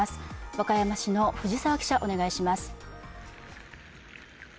和歌山市の藤澤記者お願いします。